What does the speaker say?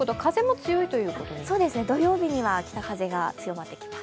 そうです、土曜日には北風が強まってきます。